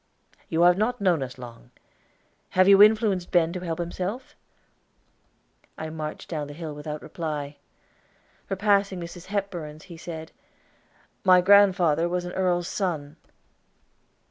You have not known us long. Have you influenced Ben to help himself?" I marched down the hill without reply. Repassing Mrs. Hepburn's, he said, "My grandfather was an earl's son."